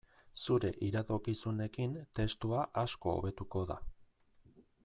Zure iradokizunekin testua asko hobetuko da.